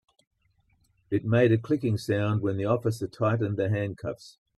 It made a clicking sound when the officer tightened the handcuffs.